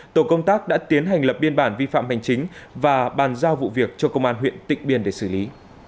tổ công tác đã tiến hành lập biên bản vi phạm hành chính và bàn giao vụ việc cho công an huyện tịnh biên để xử lý